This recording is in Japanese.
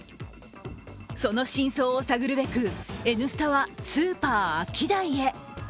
その真相を探るべく「Ｎスタ」はスーパーアキダイへ。